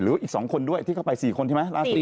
หรืออีก๒คนด้วยที่เข้าไป๔คนใช่ไหม